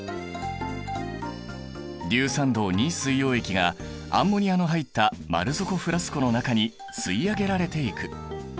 硫酸銅水溶液がアンモニアの入った丸底フラスコの中に吸い上げられていく。